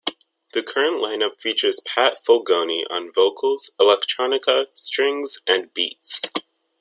The current line up features Pat Fulgoni on vocals, electronica, strings and beats.